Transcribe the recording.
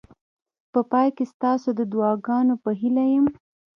په پای کې ستاسو د دعاګانو په هیله یم.